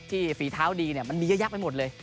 ที่ฝีเท้าดีมันมีเยอะยักษ์ไปหมดเลย